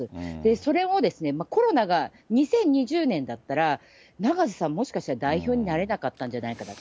それをコロナが２０２０年だったら、永瀬さん、もしかしたら代表になれなかったんじゃないかなと。